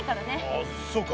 ああそうか。